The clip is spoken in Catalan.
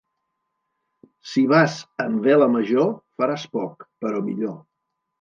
Si vas amb vela major, faràs poc, però millor.